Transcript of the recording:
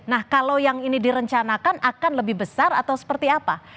nah kalau yang ini direncanakan akan lebih besar atau seperti apa